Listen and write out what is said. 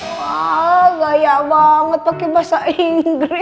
wah gaya banget pakai bahasa inggris